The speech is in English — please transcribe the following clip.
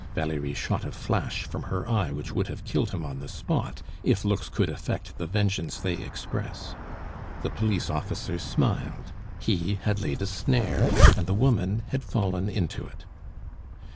Valerie shot a flash from her eye which would have killed him on the spot if looks could effect the vengeance they express. The police officer smiled; he had laid a snare, and the woman had fallen into it.